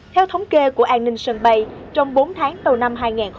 theo thống kê của an ninh sân bay trong bốn tháng đầu năm hai nghìn một mươi sáu